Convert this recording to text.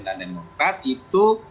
dan demokrat itu